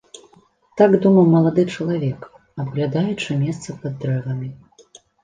Так думаў малады чалавек, абглядаючы месца пад дрэвамі.